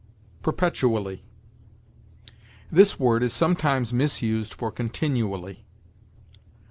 PERPETUALLY. This word is sometimes misused for continually. Dr.